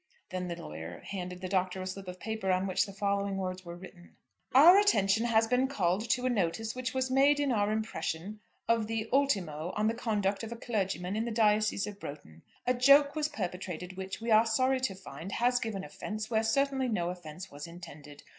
Then the lawyer handed to the Doctor a slip of paper, on which the following words were written; "Our attention has been called to a notice which was made in our impression of the ultimo on the conduct of a clergyman in the diocese of Broughton. A joke was perpetrated which, we are sorry to find, has given offence where certainly no offence was intended.